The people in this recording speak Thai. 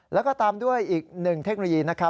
แล้วก็ตามด้วยอีกหนึ่งเทคโนโลยีนะครับ